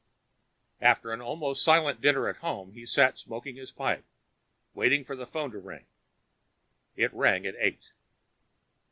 After an almost silent dinner at home, he sat smoking his pipe, waiting for the phone to ring. It rang at eight.